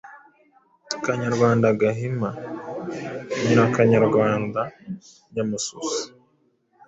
Kanyarwanda Gahima Nyirakanyarwanda Nyamususa